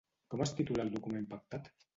Com es titula el document pactat?